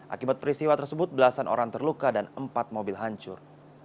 akibat peristiwa tersebut belasan orang terluka dan empat mobil hancur